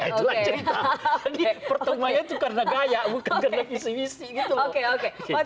jadi pertemanya itu karena gaya bukan karena pcvc gitu loh